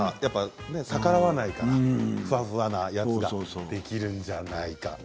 逆らわないからふわふわなやつができるんじゃないかと。